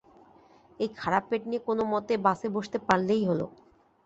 এই খারাপ পেট নিয়ে কোনমতে বাসে বসতে পারলেই হলো।